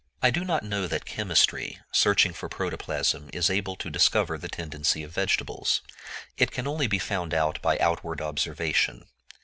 I do not know that chemistry, searching for protoplasm, is able to discover the tendency of vegetables. It can only be found out by outward observation.